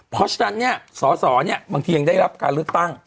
เพราะฉะนั้นสสบางทียังได้รับการเลือกตั้ง